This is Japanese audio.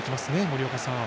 森岡さん。